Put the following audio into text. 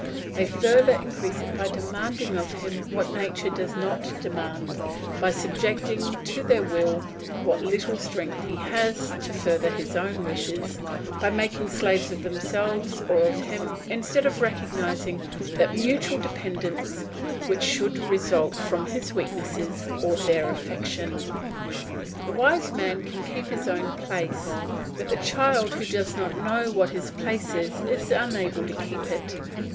They further increase it by demanding of him what nature does not demand, by subjecting to their will what little strength he has to further his own wishes, by making slaves of themselves or of him instead of recognising that mutual dependence which should result from his weakness or their affection. The wise man can keep his own place; but the child who does not know what his place is, is unable to keep it.